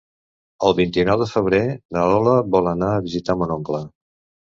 El vint-i-nou de febrer na Lola vol anar a visitar mon oncle.